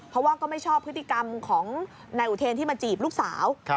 เพราะว่าก็ไม่ชอบพฤติกรรมของนายอุเทนที่มาจีบลูกสาว